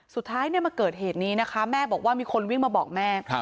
สุดท้ายมาเกิดเหตุนี้นะคะแม่บอกว่ามีคนวิ่งมาบอกแม่